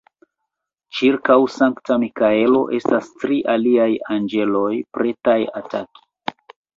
Ĉirkaŭ Sankta Mikaelo estas tri aliaj anĝeloj pretaj ataki.